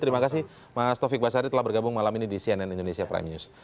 terima kasih mas taufik basari telah bergabung malam ini di cnn indonesia prime news